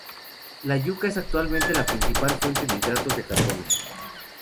La yuca es actualmente la principal fuente de hidratos de carbono.